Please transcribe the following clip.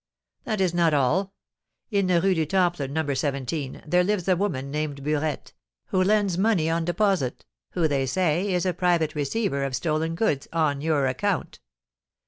"That is not all: in the Rue du Temple, No. 17, there lives a woman named Burette, who lends money on deposit, who, they say, is a private receiver of stolen goods on your account."